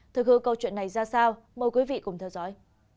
thực hư câu chuyện này ra sao mời quý vị cùng theo dõi